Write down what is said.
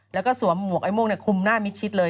แล้วก็สวมหมวกไอ้ม่วงคุมหน้ามิดชิดเลย